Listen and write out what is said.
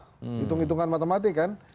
hitung hitungan matematik kan